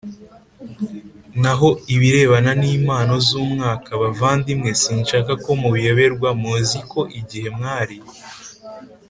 Naho ibirebana n impano z umwuka k bavandimwe sinshaka ko mubiyoberwa Muzi ko igihe mwari